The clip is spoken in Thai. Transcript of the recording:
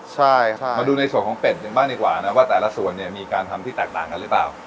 ใช่ค่ะมาดูในส่วนของเป็ดกันบ้างดีกว่านะว่าแต่ละส่วนเนี่ยมีการทำที่แตกต่างกันหรือเปล่า